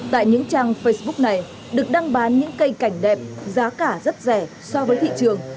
tại những trang facebook này được đăng bán những cây cảnh đẹp giá cả rất rẻ so với thị trường